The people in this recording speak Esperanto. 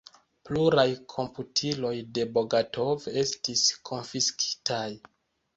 Pluraj komputiloj de Bogatov estis konfiskitaj.